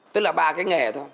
tức là ba cái nghề thôi